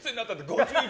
５１。